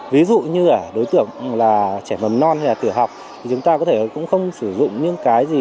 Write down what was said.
ví dụ như là đối tượng là trẻ mầm non hay là tiểu học thì chúng ta có thể cũng không sử dụng những cái gì